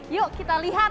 yuk kita lihat